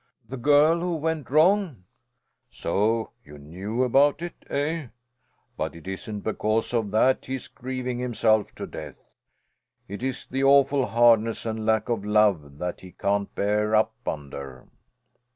"The girl who went wrong?" "So you knew about it, eh? But it isn't because of that he's grieving himself to death. It is the awful hardness and lack of love that he can't bear up under."